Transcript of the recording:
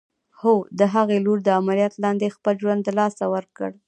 هو! د هغې لور د عمليات لاندې خپل ژوند له لاسه ورکړ.